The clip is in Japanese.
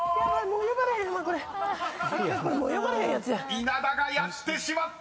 ［稲田がやってしまった！］